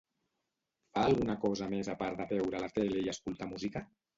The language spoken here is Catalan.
Fa alguna cosa més a part de veure la tele i escoltar música?